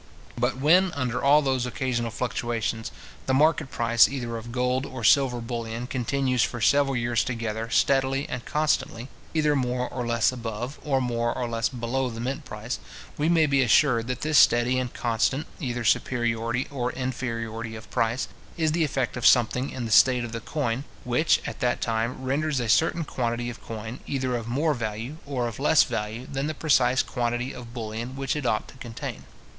But when, under all those occasional fluctuations, the market price either of gold or silver bullion continues for several years together steadily and constantly, either more or less above, or more or less below the mint price, we may be assured that this steady and constant, either superiority or inferiority of price, is the effect of something in the state of the coin, which, at that time, renders a certain quantity of coin either of more value or of less value than the precise quantity of bullion which it ought to contain.